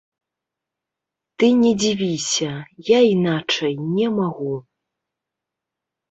Ты не дзівіся, я іначай не магу.